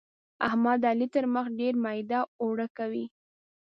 احمد د علي تر مخ ډېر ميده اوړه کوي.